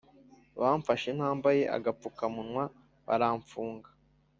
Bamfashe ntambaye agapfuka munwa baramfunga